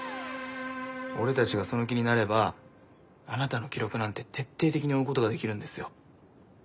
俺たちがその気になればあなたの記録なんて徹底的に追うことができるんですよ。